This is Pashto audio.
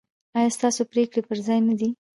ایا ستاسو پریکړې پر ځای نه دي؟